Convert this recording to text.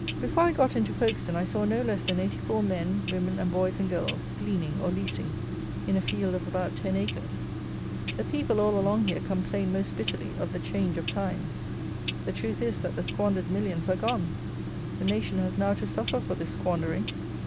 Before I got into Folkestone I saw no less than eighty four men, women, and boys and girls gleaning or leasing, in a field of about ten acres. The people all along here complain most bitterly of the change of times. The truth is, that the squandered millions are gone! The nation has now to suffer for this squandering.